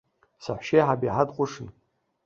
Саҳәшьеиҳаб иаҳа дҟәышын.